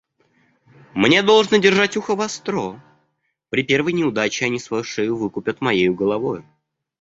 Мне должно держать ухо востро; при первой неудаче они свою шею выкупят моею головою».